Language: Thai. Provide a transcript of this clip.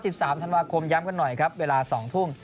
สามธันวาคมย้ำกันหน่อยครับเวลาสองทุ่ม